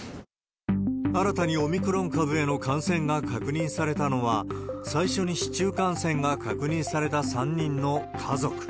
新たにオミクロン株への感染が確認されたのは、最初に市中感染が確認された３人の家族。